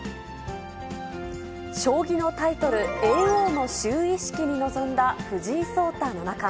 将棋のタイトル、叡王の就位式に臨んだ藤井聡太七冠。